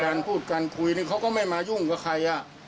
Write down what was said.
พูดกันคุยนี่เขาก็ไม่มายุ่งกับใคร